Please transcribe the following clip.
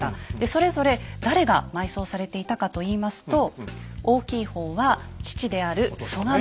それぞれ誰が埋葬されていたかといいますと大きい方は父である蘇我蝦夷ですね。